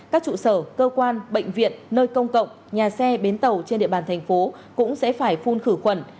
các trụ sở cơ quan bệnh viện nơi công cộng nhà xe bến tàu trên địa bàn thành phố cũng sẽ phải phun khử khuẩn